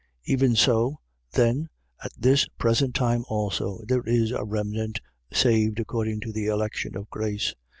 Even so then, at this present time also, there is a remnant saved according to the election of grace.